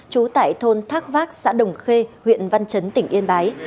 trú tại thôn thác vác xã đồng khê huyện văn chấn tỉnh yên bái